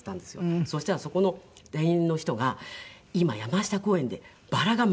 そしたらそこの店員の人が「今山下公園でバラが満開ですよ」って。